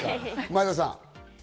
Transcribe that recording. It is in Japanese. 前田さん。